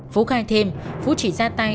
phú khai thêm phú chỉ ra tay